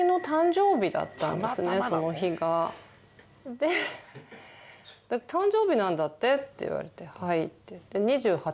で「誕生日なんだって？」って言われて「はい」って言って「２８です」。